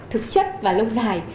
thực chất và lâu dài